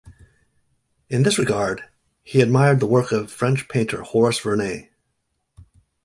In this regard he admired the work of French painter Horace Vernet.